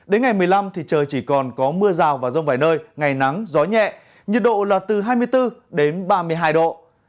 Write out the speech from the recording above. đến ngày một mươi năm thì trời chỉ còn có mưa rào và rông vài nơi ngày nắng gió nhẹ nhiệt độ là từ hai mươi bốn đến ba mươi hai độ